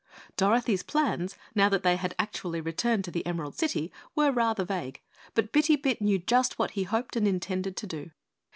Dorothy's plans, now that they had actually returned to the Emerald City, were rather vague, but Bitty Bit knew just what he hoped and intended to do.